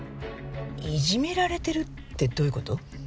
いじめられてるってどういう事？